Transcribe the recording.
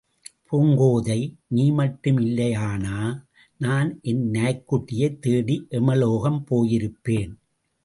பூங்கோதை, நீ மட்டும் இல்லையானா நான் என் நாய்க்குட்டியைத் தேடி எமலோகம் போயிருப்பேன்.